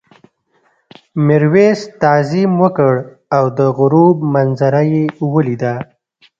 میرويس تعظیم وکړ او د غروب منظره یې ولیده.